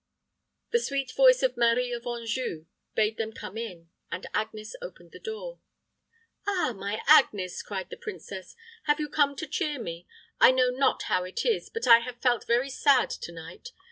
The sweet voice of Marie of Anjou bade them come in, and Agnes opened the door. "Ah, my Agnes," cried the princess, "have you come to cheer me? I know not how it is, but I have felt very sad to night.